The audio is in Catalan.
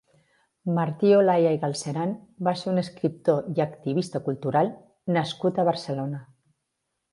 Martí Olaya i Galceran va ser un escriptor i activista cultural nascut a Barcelona.